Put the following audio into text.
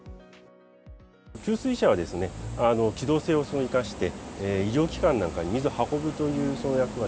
給水車は機動性を生かして、医療機関なんかに水を運ぶという役割。